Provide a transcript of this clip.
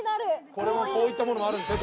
これもこういったものもあるんですね